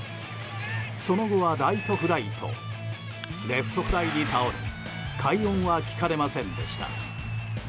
その後はライトフライとレフトフライに倒れ快音は聞かれませんでした。